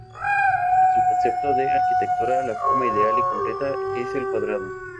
En su concepto de arquitectura la forma ideal y completa es el cuadrado.